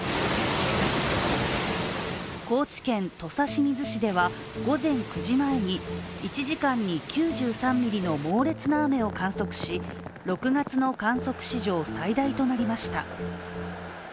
高知県土佐清水市では午前９時前に１時間に９３ミリの猛烈な雨を観測し６月の観測史上最大となりました。